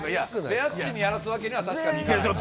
ベアツシにやらすわけには確かにいかないから。